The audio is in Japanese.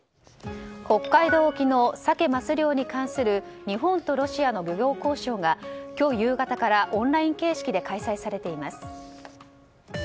北海道沖のサケ・マス漁に関する日本とロシアの漁業交渉が今日夕方からオンライン形式で開催されています。